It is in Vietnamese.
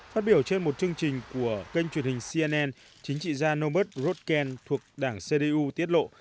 phát biểu trên một chương trình của kênh truyền hình cnn chính trị gia nobert rocken thuộc đảng cdu tiết lộ